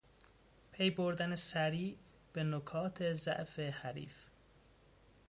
پیبردن سریع به نکات ضعف حریف